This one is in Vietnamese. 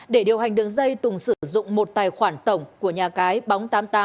để điều hành đường dây tùng sử dụng một tài khoản tổng của nhà cái bóng tám mươi tám